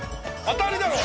当たりだろ。